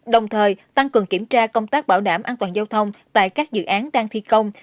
đồng thời tăng cường kiểm tra công tác bảo đảm an toàn giao thông tại các dự án đang thi công